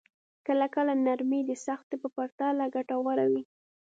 کله کله نرمي د سختۍ په پرتله ګټوره وي.